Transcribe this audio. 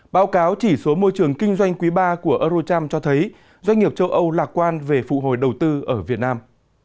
báo cáo chỉ số môi trường kinh doanh quý ba của eurocharm cho thấy doanh nghiệp châu âu lạc quan về phụ hồi đầu tư ở việt nam